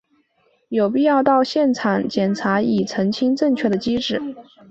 有必要到现场检查以澄清正确的机制。